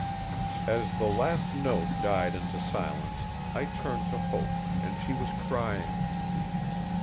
As the last note died into silence I turned to Hope, and she was crying.